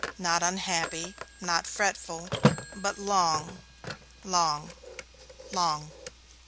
Not unhappy, not fretful, but long, long, long.